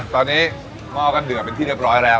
ตอนนี้มอบกันเป็นที่เรียบร้อยแล้ว